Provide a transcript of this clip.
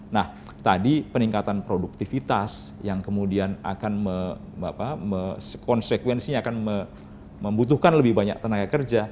nah tadi peningkatan produktivitas yang kemudian akan konsekuensinya akan membutuhkan lebih banyak tenaga kerja